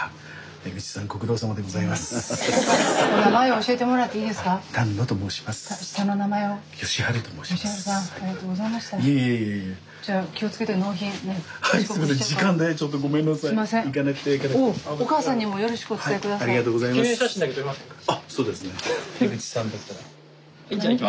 江口さんだったら。